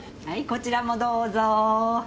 はいこちらもどうぞ。